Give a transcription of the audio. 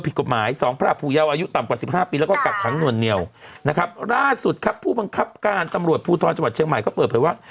ตำรวจภูทรจบัตรเชียงใหม่ก็เปิดเผยว่า